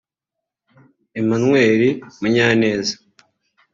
Emmanuel Munyaneza